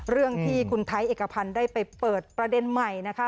เรื่องที่คุณไทยเอกพันธ์ได้ไปเปิดประเด็นใหม่นะคะ